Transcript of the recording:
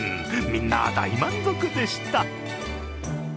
みんな大満足でした。